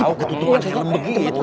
tau ketutupan helm begitu